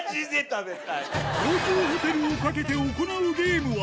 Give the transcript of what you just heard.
高級ホテルをかけて行うゲームは。